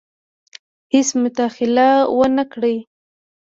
هیڅ مداخله ونه کړي.